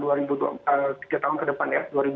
atau tiga tahun ke depan dua ribu dua puluh empat